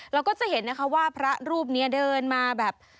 เราก็จะเห็นนะคะว่าพระรูปนี้เดินมาแบบ